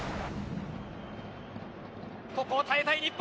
ここを耐えたい日本。